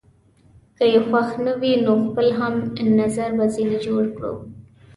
که يې خوښ نه وي، نو خپل هم نظره به ځینې جوړ کړو.